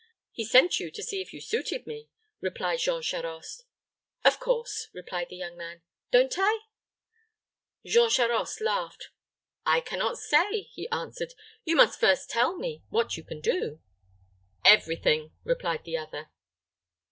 "He sent you to see if you suited me," replied Jean Charost. "Of course," replied the young man. "Don't I?" Jean Charost laughed. "I can not say," he answered. "You must first tell me what you can do." "Every thing," replied the other.